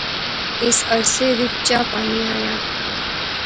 اسے عرصے وچ چاء پانی آیا